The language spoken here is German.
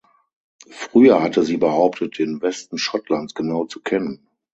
Früher hatte sie behauptet, den Westen Schottlands genau zu kennen.